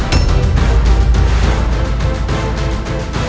saya otak mereka